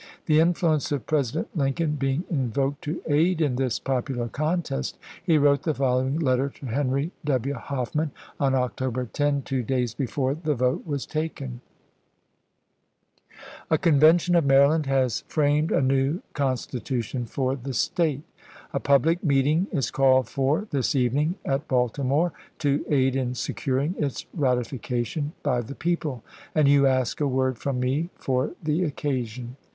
The influence of President Lincoln being invoked to aid in this popular contest, he wrote the following letter to Henry W. Hoffman, on October 10, two days before the vote was taken : ism. A Convention of Maryland has framed a new constitu tion for the State ; a public meeting is caUed for this evening at Baltimore to aid in securing its ratification by the people ; and you ask a word from me for the occasion.